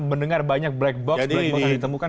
mendengar banyak black box black box yang ditemukan